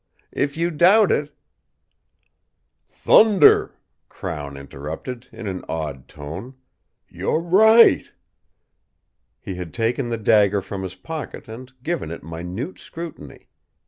If you doubt it " "Thunder!" Crown interrupted, in an awed tone. "You're right!" He had taken the dagger from his pocket and given it minute scrutiny.